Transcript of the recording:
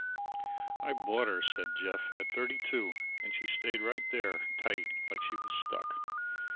"I bought her," said Jeff, "at thirty two, and she stayed right there tight, like she was stuck.